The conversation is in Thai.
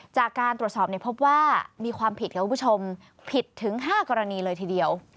จากการตรวจสอบพบว่ามีความผิดค่ะคุณผู้ชมผิดถึง๕กรณีเลยทีเดียว